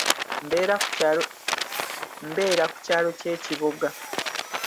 Mbeera ku kyalo ky'ekiboga.